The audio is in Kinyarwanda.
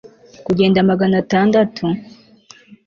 Kugenda magana atandatu